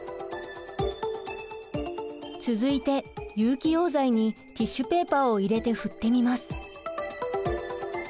続いて有機溶剤にティッシュペーパーを入れて振ってみます。